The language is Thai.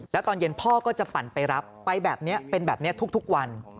แล้วตอนเย็นพ่อก็จะปั่นไปรับไปแบบนี้เป็นแบบนี้ทุกวัน